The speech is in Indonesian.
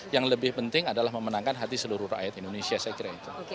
yang lebih penting adalah memenangkan hati seluruh rakyat indonesia saya kira itu